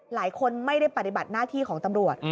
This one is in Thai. หลายคนไม่ได้ปฏิบัติหน้าที่ของตำรวจ